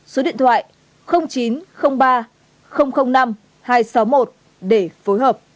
số điện thoại chín trăm linh ba năm hai trăm sáu mươi một để phối hợp